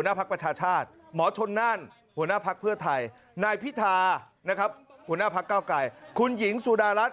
นามแล้วไปที่นี่ดุม